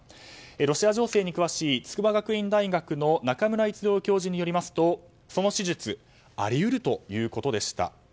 ロシア情勢に詳しい筑波学院大学の中村逸郎教授によりますとその手術あり得るということでした。